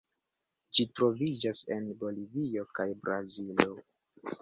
Ĝi troviĝas en Bolivio kaj Brazilo.